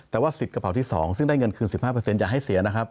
แต่ว่า๑๐กระเป๋าที่๒ซึ่งได้เงินคืน๑๕อย่าให้เสียนะครับ